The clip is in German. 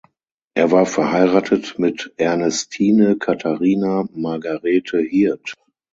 Er war verheiratet mit Ernestine Katharina Margarete Hirt.